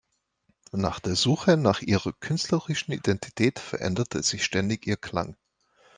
Nach der Suche nach ihrer künstlerischen Identität veränderte sich ständig ihr Klang.